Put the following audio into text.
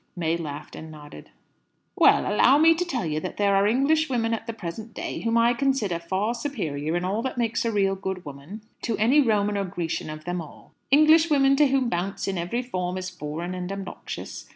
Mary laughed and nodded. "Well, allow me to tell you that there are Englishwomen at the present day whom I consider far superior, in all that makes a real good woman, to any Roman or Grecian of them all. Englishwomen to whom bounce in every form is foreign and obnoxious.